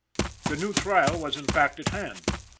The new trial was in fact at hand.